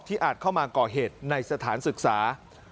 อาจเข้ามาก่อเหตุในสถานศึกษา